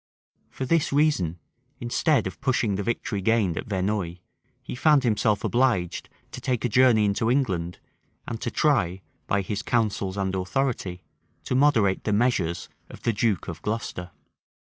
[*] For this reason, instead of pushing the victory gained at Verneuil, he found himself obliged to take a journey into England, and to try, by his counsels and authority, to moderate the measures of the duke of Glocester.